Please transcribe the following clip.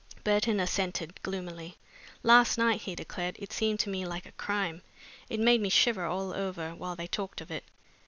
Burton assented gloomily. "Last night," he declared, "it seemed to me like a crime. It made me shiver all over while they talked of it.